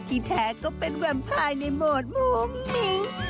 ที่แท้ก็เป็นแวมไพร์ในโหมดมุ่งมิ้ง